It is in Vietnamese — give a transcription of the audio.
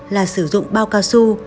là sử dụng bao cao su